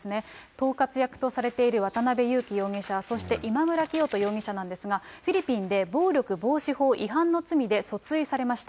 統括役とされている渡辺優樹容疑者、そして今村磨人容疑者なんですが、フィリピンで暴力防止法違反の罪で訴追されました。